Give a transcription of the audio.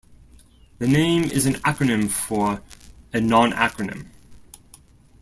The name is an acronym for "A Non Acronym".